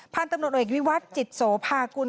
พ่านตำรวจนกวิวัฒน์จิตโสภาคุณ